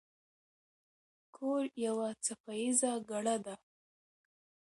کور یوه څپه ایزه ګړه ده.